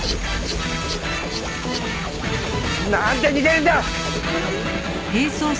なんで逃げるんだ！